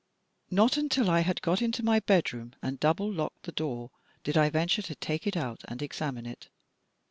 Not until I had got into my bedroom and double locked the door did I venture to take it out and examine it.